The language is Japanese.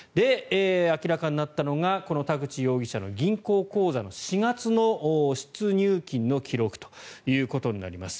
明らかになったのがこの田口容疑者の銀行口座の４月の出入金の記録ということになります。